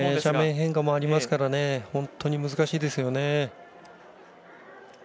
斜面変化もありますから本当に難しいですね。